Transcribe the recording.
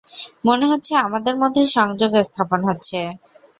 মনে হচ্ছে আমাদের মধ্যে সংযোগ স্থাপন হচ্ছে।